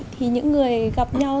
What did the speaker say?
thì những người gặp nhau